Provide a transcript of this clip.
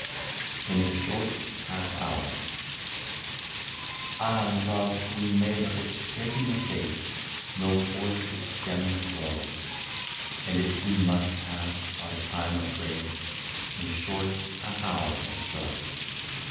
25 IN A SHORT HALF HOUR. •" Ah ! love, we may look it straight in the face, No force could stem the flow ; And it soon must pass, — our time of grace, In a short half hour or so.